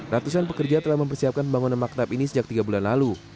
ratusan pekerja telah mempersiapkan bangunan maknab ini sejak tiga bulan lalu